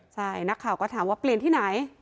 ใช่นักข่าวก็ถามว่าเปลี่ยนที่ไหน